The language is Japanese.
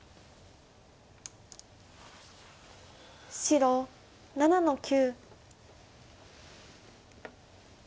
白７の九。